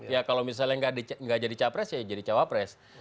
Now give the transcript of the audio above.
ya kalau misalnya nggak jadi capres ya jadi cawapres